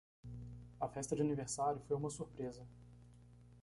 A festa de aniversário foi uma surpresa.